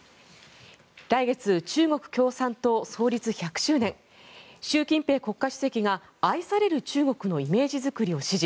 来月、中国共産党創立１００周年習近平国家主席が愛される中国のイメージづくりを指示。